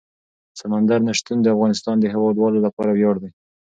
سمندر نه شتون د افغانستان د هیوادوالو لپاره ویاړ دی.